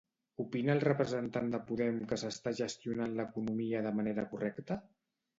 Opina el representant de Podem que s'està gestionant l'economia de manera correcta?